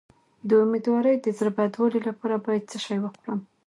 د امیدوارۍ د زړه بدوالي لپاره باید څه شی وخورم؟